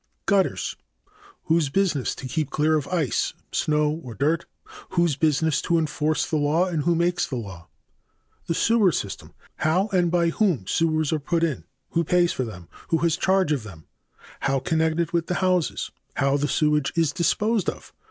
5. Gutters. a. Whose business to keep clear of ice, snow or dirt. b. Whose business to enforce the law and who makes the law? 6. The sewer system. a. How and by whom sewers are put in. b. Who pays for them. c. Who has charge of them. d. How connected with the houses. e. How the sewage is disposed of. f.